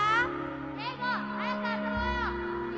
圭吾早く遊ぼうよ！